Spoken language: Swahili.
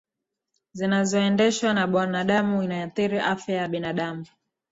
zinazoendeshwa na mwanadamu Inathiri afya ya binadamu